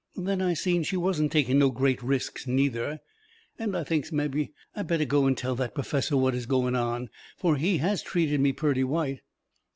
Then I seen she wasn't taking no great risks neither, and I thinks mebby I better go and tell that perfessor what is going on, fur he has treated me purty white.